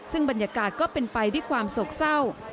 ซึ่งบรรยากาศก็เป็นไปด้วยความโศกเศร้า